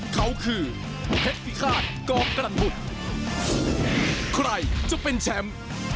เขาคือเพชรพิฆาตกรันบุตรใครจะเป็นแชมป์